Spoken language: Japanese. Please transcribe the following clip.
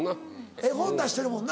絵本出してるもんな。